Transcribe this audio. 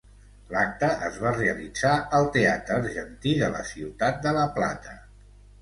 L'acte es va realitzar al Teatre Argentí de la ciutat de La Plata.